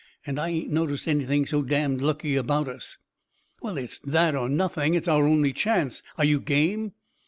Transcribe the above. And I ain't noticed anything so damned lucky about us." "Well, it's that or nothing. It's our only chance. Are you game?"